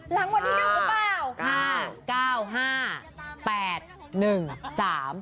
หลังวันที่นี่รู้หรือเปล่า